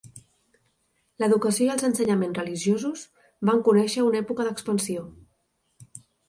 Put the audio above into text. L'educació i els ensenyaments religiosos van conèixer una època d'expansió.